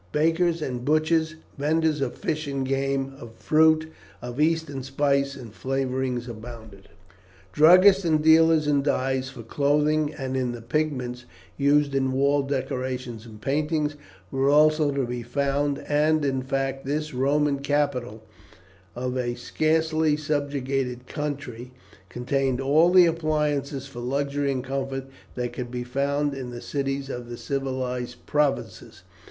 Bakers and butchers, vendors of fish and game, of fruit, of Eastern spices and flavourings abounded. Druggists and dealers in dyes for clothing and in the pigments used in wall decorations and paintings were also to be found; and, in fact, this Roman capital of a scarcely subjugated country contained all the appliances for luxury and comfort that could be found in the cities of the civilized provinces.